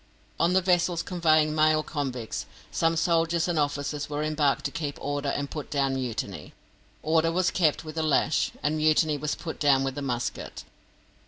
On the vessels conveying male convicts, some soldiers and officers were embarked to keep order and put down mutiny. Order was kept with the lash, and mutiny was put down with the musket.